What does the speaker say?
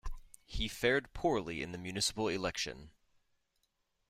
He fared poorly in the municipal election.